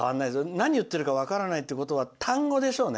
何を言ってるか分からないってことは単語でしょうね。